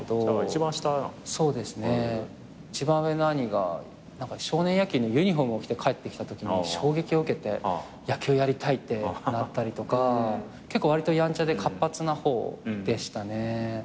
一番上の兄が少年野球のユニホームを着て帰ってきたときに衝撃を受けて野球やりたいってなったりとか結構わりとやんちゃで活発な方でしたね。